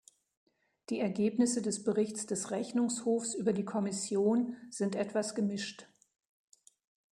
Die Ergebnisse des Berichts des Rechnungshofs über die Kommission sind etwas gemischt.